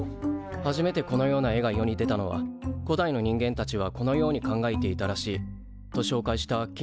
初めてこのような絵が世に出たのは「古代の人間たちはこのように考えていたらしい」と紹介した近代の文献で。